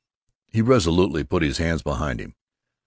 He resolutely put his hands behind him.